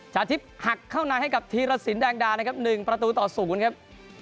ชาทิพย์หักเข้าในให้กับธีรสินแดงดานะครับ๑ประตูต่อ๐ครับ